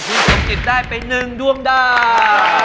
คุณสมจิตได้ไป๑ดวงดาว